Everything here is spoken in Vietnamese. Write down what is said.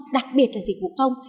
đặc biệt là dịch vụ công